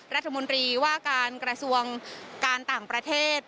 รัฐมนตรีว่าการกระทรวงการต่างประเทศ